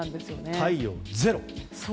太陽ゼロ。